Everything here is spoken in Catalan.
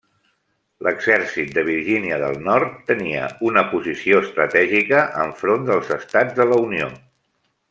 L'exèrcit de Virgínia del Nord tenia una posició estratègica enfront dels Estats de la Unió.